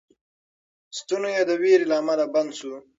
ستونی یې د وېرې له امله بند شو.